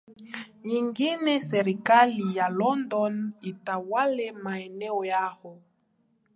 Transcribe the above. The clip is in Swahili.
nyingine Serikali ya London ilitawala maeneo hayo